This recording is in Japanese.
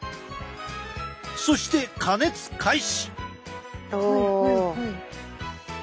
そして加熱開始。